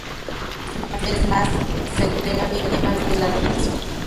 Es más, se creen víctimas de la relación.